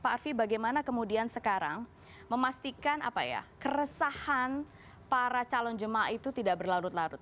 pak arfi bagaimana kemudian sekarang memastikan keresahan para calon jemaah itu tidak berlarut larut